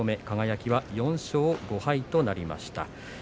輝は４勝５敗となりました。